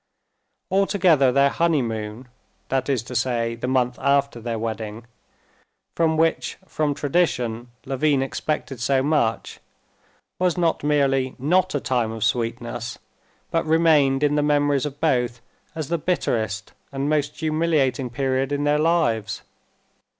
Altogether their honeymoon—that is to say, the month after their wedding—from which from tradition Levin expected so much, was not merely not a time of sweetness, but remained in the memories of both as the bitterest and most humiliating period in their lives.